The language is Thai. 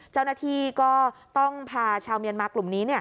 เจ้าหน้าที่ก็ต้องพาชาวเมียนมากลุ่มนี้